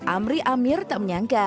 amri amir tak menyangka